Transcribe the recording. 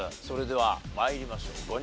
それでは参りましょう。